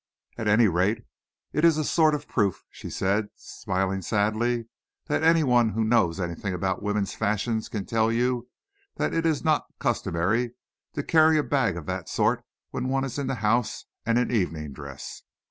"At any rate, it is a sort of proof," she said, smiling sadly, "that any one who knows anything about women's fashions can tell you that it is not customary to carry a bag of that sort when one is in the house and in evening dress.